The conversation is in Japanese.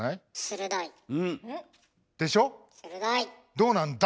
どうなんだ？